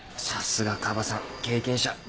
さすがカバさん経験者。